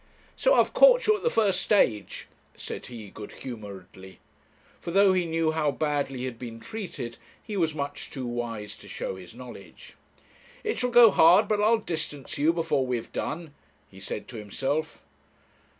'So I've caught you at the first stage,' said he, good humouredly; for though he knew how badly he had been treated, he was much too wise to show his knowledge. 'It shall go hard but I'll distance you before we have done,' he said to himself.